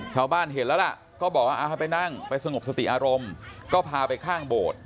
ชาวบ้านเห็นแล้วล่ะก็บอกว่าให้ไปนั่งไปสงบสติอารมณ์ก็พาไปข้างโบสถ์